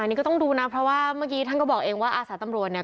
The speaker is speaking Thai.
นี่ก็ต้องดูนะเพราะว่าเมื่อกี้ท่านก็บอกเองว่าอาสาตำรวจเนี่ย